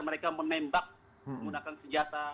mereka menembak menggunakan senjata